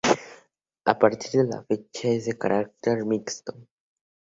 A partir de la fecha es de carácter mixto.